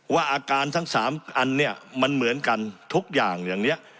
ว่าอาการทั้ง๓อันมันเหมือนกันทุกอย่างอย่างเนี่ย